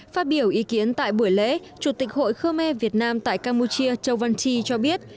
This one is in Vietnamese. phát biểu ý kiến tại buổi lễ chủ tịch hội khơ me việt nam tại campuchia châu văn chi cho biết